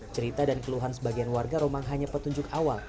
cerita dan keluhan sebagian warga romang hanya petunjuk awal